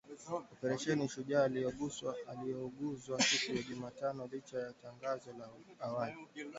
Oparesheni Shujaa iliongezwa siku ya Jumatano licha ya tangazo la awali